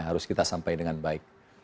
harus kita sampai dengan baik